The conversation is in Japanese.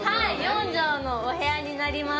４畳のお部屋になります。